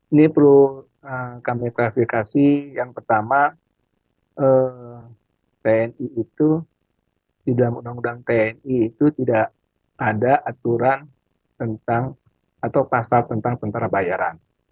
ini perlu kami klarifikasi yang pertama tni itu di dalam undang undang tni itu tidak ada aturan tentang atau pasal tentang tentara bayaran